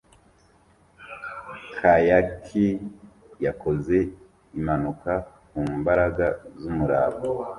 Kayakier yakoze impanuka ku mbaraga z'umuraba